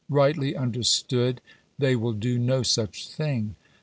Rightly understood, they will do noj such thing.